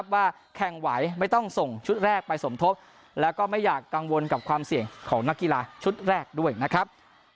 ว่าแข่งไหวไม่ต้องส่งชุดแรกไปสมทบแล้วก็ไม่อยากกังวลกับความเสี่ยงของนักกีฬาชุดแรกด้วยนะครับ